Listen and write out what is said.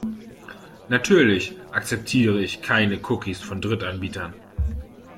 Natürlich akzeptiere ich keine Cookies von Drittanbietern.